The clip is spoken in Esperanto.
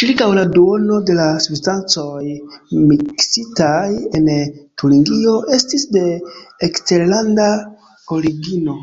Ĉirkaŭ la duono de la substancoj miksitaj en Turingio estis de eksterlanda origino.